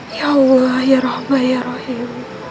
ya allah ya rahbah ya rahim